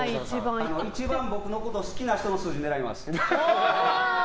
一番、僕のことを好きな人の数字を狙います。